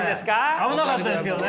危なかったですけどね！